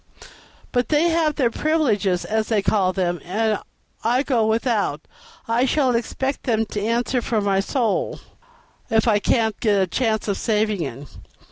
But they have their privileges, as they call them, and I go without. I shall expect them to answer for my soul, if I can't get a chance of saving it."